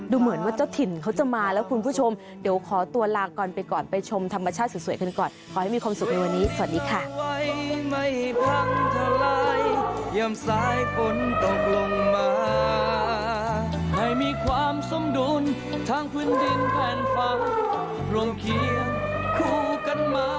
เหมือนว่าเจ้าถิ่นเขาจะมาแล้วคุณผู้ชมเดี๋ยวขอตัวลาก่อนไปก่อนไปชมธรรมชาติสวยกันก่อนขอให้มีความสุขในวันนี้สวัสดีค่ะ